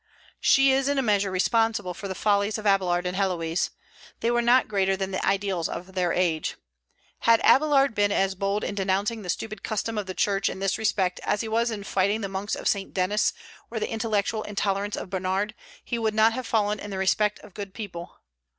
She is in a measure responsible for the follies of Abélard and Héloïse. They were not greater than the ideas of their age. Had Abélard been as bold in denouncing the stupid custom of the Church in this respect as he was in fighting the monks of St. Denis or the intellectual intolerance of Bernard, he would not have fallen in the respect of good people.